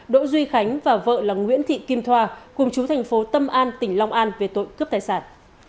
đỗ duy khánh và vợ là nguyễn thị kim thoa cùng chú thành phố tâm an tỉnh long an về tội cướp tài sản